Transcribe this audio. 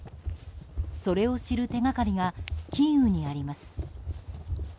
それを知る手がかりがキーウにあります。